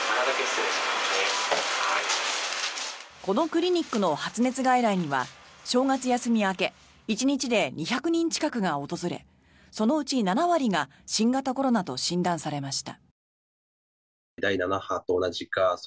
このクリニックの発熱外来には正月休み明け１日で２００人近くが訪れそのうち７割が新型コロナと診断されました。